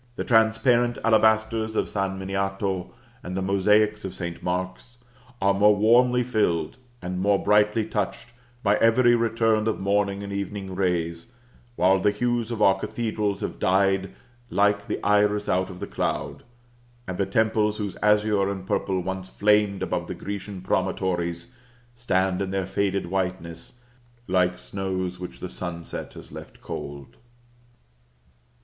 The transparent alabasters of San Miniato, and the mosaics of St. Mark's, are more warmly filled, and more brightly touched, by every return of morning and evening rays; while the hues of our cathedrals have died like the iris out of the cloud; and the temples whose azure and purple once flamed above the Grecian promontories, stand in their faded whiteness, like snows which the sunset has left cold.